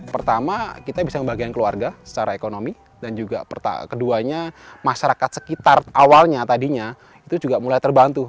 pertama kita bisa membagikan keluarga secara ekonomi dan juga keduanya masyarakat sekitar awalnya tadinya itu juga mulai terbantu